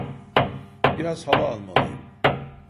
Biraz hava almalıyım.